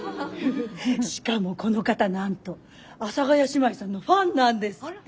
しかもこの方なんと阿佐ヶ谷姉妹さんのファンなんですって。